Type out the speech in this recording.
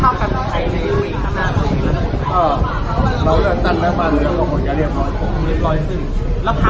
แล้วคาสที่เขาตายสะกันเยอะ